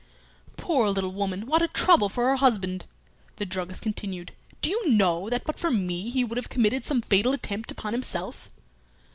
"Poor little woman! What a trouble for her husband!" The druggist continued, "Do you know that but for me he would have committed some fatal attempt upon himself?"